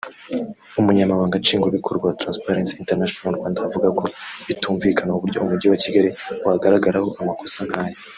Umunyamabanga Nshingwabikorwa wa Transparency International Rwanda avuga ko bitumvikana uburyo Umujyi wa Kigali wagaragaraho amakosa nk’aya